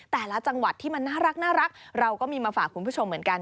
แต่ละจังหวัดที่มันน่ารักเราก็มีมาฝากคุณผู้ชมเหมือนกัน